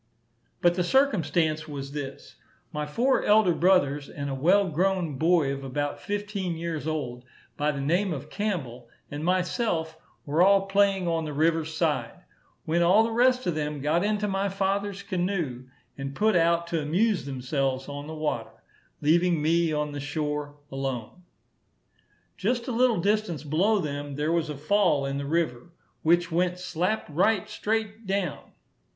But the circumstance was this: My four elder brothers, and a well grown boy of about fifteen years old, by the name of Campbell, and myself, were all playing on the river's side; when all the rest of them got into my father's canoe, and put out to amuse themselves on the water, leaving me on the shore alone. Just a little distance below them, there was a fall in the river, which went slap right straight down.